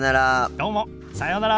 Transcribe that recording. どうもさようなら。